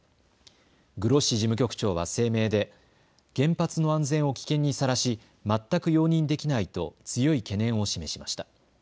グロッシ事務局長は声明で原発の安全を危険にさらし全く容認できないと強い懸念を示しました。